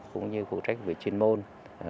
cũng như phụ trách về chuyên môn